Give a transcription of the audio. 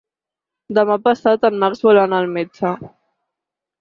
Demà passat en Max vol anar al metge.